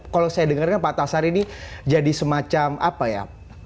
kalau saya dengarkan pak tasari ini jadi semacam apa ya